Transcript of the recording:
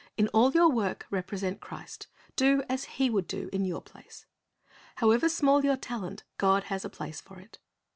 In all your work represent Christ. Do as He would do in your place. However small your talent, God has a place for it.